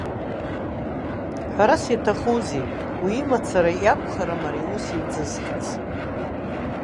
Ҳәарас иаҭахузеи, уи имацара иакәхарым ари аус еиҵызхаз.